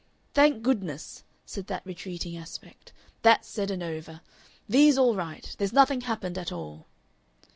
"Thank goodness!" said that retreating aspect, "that's said and over. Vee's all right. There's nothing happened at all!"